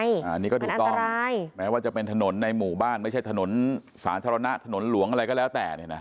อันนี้ก็ถูกต้องแม้ว่าจะเป็นถนนในหมู่บ้านไม่ใช่ถนนสาธารณะถนนหลวงอะไรก็แล้วแต่เนี่ยนะ